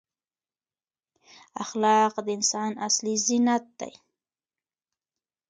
اخلاق د انسان اصلي زینت دی.